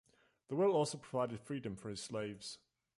The will also provided freedom for his slaves.